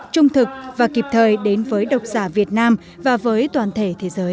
trung thực và kịp thời đến với độc giả việt nam và với toàn thể thế giới